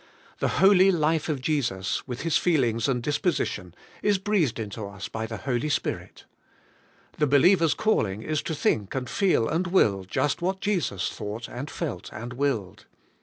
The holy life of Jesus, with His feelings and disposition, is breathed into us by the Holy Spirit. The believer's calling is to think and feel and will just what Jesus thought and felt and willed.